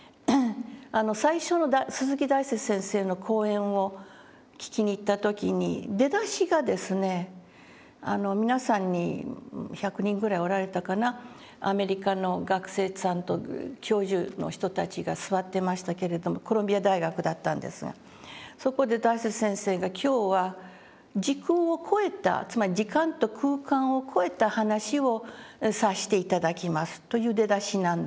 最初の鈴木大拙先生の講演を聞きに行った時に出だしがですね皆さんに１００人ぐらいおられたかなアメリカの学生さんと教授の人たちが座ってましたけれどもコロンビア大学だったんですがそこで大拙先生が「今日は時空を超えたつまり時間と空間を超えた話をさせて頂きます」という出だしなんですね。